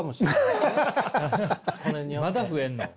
まだ増えんの？